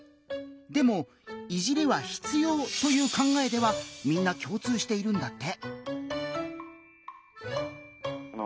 でも「いじり」は必要という考えではみんな共通しているんだって。